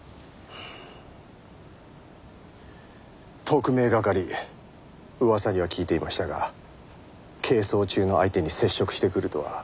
特命係噂には聞いていましたが係争中の相手に接触してくるとは。